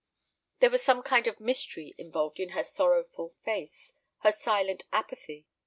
There was some kind of mystery involved in her sorrowful face, her silent apathy.